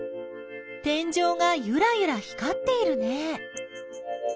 天井がゆらゆら光っているね。